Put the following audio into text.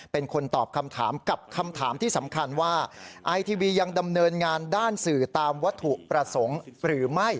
เป็นคนตอบคำถามกับคำถามที่สำคัญว่าไอทีวียังดำเนินงานด้านสื่อตามวัตถุประสงค์หรือไม่